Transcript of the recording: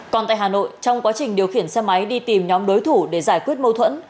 còn tại hà nội trong quá trình điều khiển xe máy đi tìm nhóm đối thủ để giải quyết mâu thuẫn